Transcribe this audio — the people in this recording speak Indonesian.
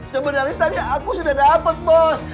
sebenarnya tadi aku sudah dapat bos